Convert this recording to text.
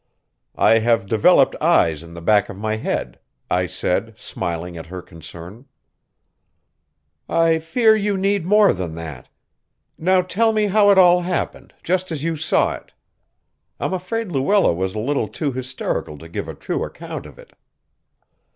"I have developed eyes in the back of my head," I said, smiling at her concern. "I fear you need more than that. Now tell me how it all happened, just as you saw it. I'm afraid Luella was a little too hysterical to give a true account of it."